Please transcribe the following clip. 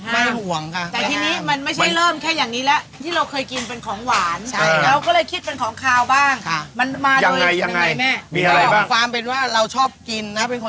มันวิสูจน์ไม่ได้ว่าใครเป็นเจ้าแรก